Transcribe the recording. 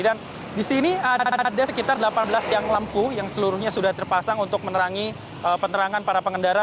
dan di sini ada sekitar delapan belas yang lampu yang seluruhnya sudah terpasang untuk menerangi penerangan para pengendara